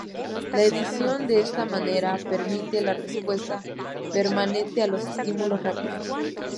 La edición, de esta manera, permite la respuesta permanente a los estímulos rápidos.